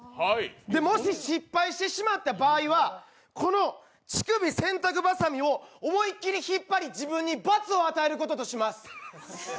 でも、もし失敗してしまった場合はこの乳首洗濯ばさみを思い切り引っ張り、自分に罰を与えることとします。